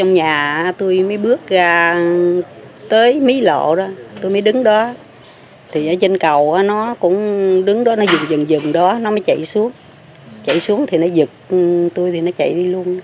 nó cũng đứng đó nó dừng dừng dừng đó nó mới chạy xuống chạy xuống thì nó giật tôi thì nó chạy đi luôn